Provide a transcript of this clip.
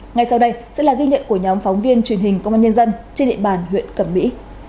ngay sau đây sẽ là ghi nhận của nhóm phóng viên truyền hình công an nhân dân trên địa bàn huyện cẩm mỹ